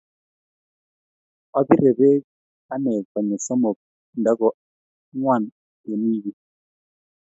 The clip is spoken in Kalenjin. apire bek anee konyil somok nda ko ngwan eng wikii.